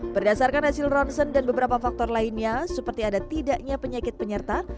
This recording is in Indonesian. berdasarkan hasil ronsen dan beberapa faktor lainnya seperti ada tidaknya penyakit penyerta